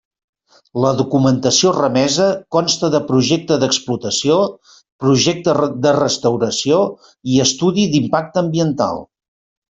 La documentació remesa consta de projecte d'explotació, projecte de restauració i estudi d'impacte ambiental.